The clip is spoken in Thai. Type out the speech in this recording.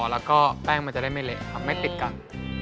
แล้วก็แป้งมันจะได้ไม่เละครับไม่ติดกัน